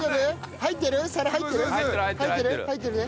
入ってるね。